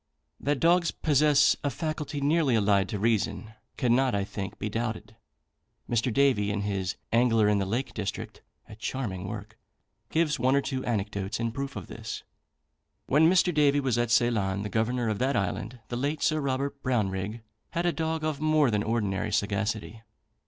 That dogs possess a faculty nearly allied to reason cannot, I think, be doubted. Mr. Davy, in his "Angler in the Lake District," (a charming work), gives one or two anecdotes in proof of this. When Mr. Davy was at Ceylon, the Governor of that Island, the late Sir Robert Brownrigg, had a dog of more than ordinary sagacity.